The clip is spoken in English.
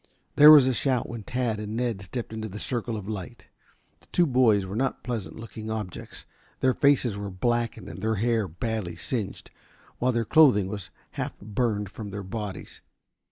There was a shout when Tad and Ned stepped into the circle of light. The two boys were not pleasant looking objects. Their faces were blackened and their hair badly singed, while their clothing was half burned from their bodies.